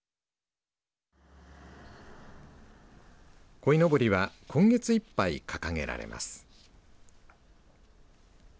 こいのぼりは今月いっぱい掲げられます。